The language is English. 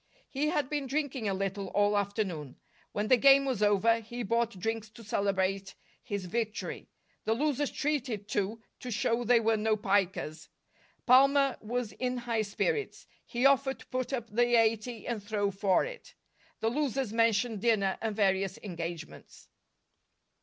He had been drinking a little all afternoon. When the game was over, he bought drinks to celebrate his victory. The losers treated, too, to show they were no pikers. Palmer was in high spirits. He offered to put up the eighty and throw for it. The losers mentioned dinner and various engagements.